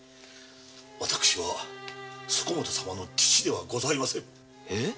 私はそこもと様の父ではございません。